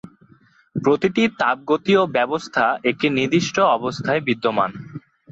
প্রতিটি তাপগতীয় ব্যবস্থা একটি নির্দিষ্ট অবস্থায় বিদ্যমান।